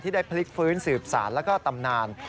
ที่ได้พลิกฟื้นสืบศาลแล้วก็ตำนาน